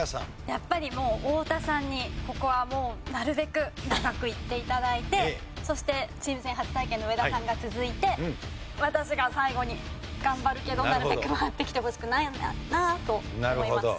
やっぱりもう太田さんにここはもうなるべく長くいって頂いてそしてチーム戦初体験の上田さんが続いて私が最後に頑張るけどなるべく回ってきてほしくないなと思います。